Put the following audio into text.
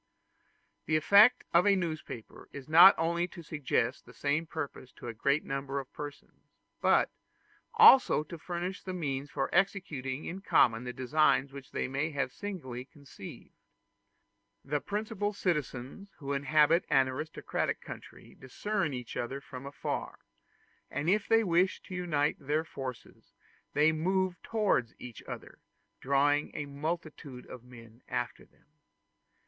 The effect of a newspaper is not only to suggest the same purpose to a great number of persons, but also to furnish means for executing in common the designs which they may have singly conceived. The principal citizens who inhabit an aristocratic country discern each other from afar; and if they wish to unite their forces, they move towards each other, drawing a multitude of men after them.